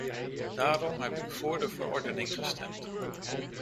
Daarom heb ik voor de verordening gestemd.